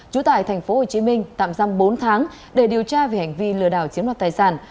trú tại tp hcm tạm giam bốn tháng để điều tra về hành vi lừa đảo chiếm đoạt tài sản